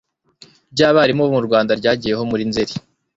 ry abarimu bo mu Rwanda ryagiyeho muri Nzeri